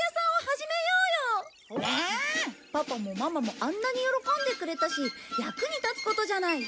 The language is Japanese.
パパもママもあんなに喜んでくれたし役にたつことじゃない？